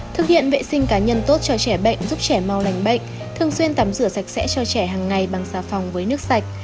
thực hiện vệ sinh cá nhân tốt cho trẻ bệnh giúp trẻ mau đành bệnh thường xuyên tắm rửa sạch sẽ cho trẻ hằng ngày bằng xà phòng với nước sạch